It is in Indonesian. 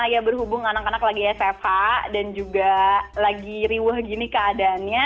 ya berhubung anak anak lagi sf dan juga lagi riwah gini keadaannya